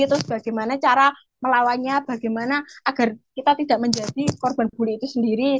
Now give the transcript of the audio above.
terus bagaimana cara melawannya bagaimana agar kita tidak menjadi korban bully itu sendiri